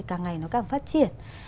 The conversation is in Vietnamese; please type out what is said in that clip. càng ngày nó càng phát triển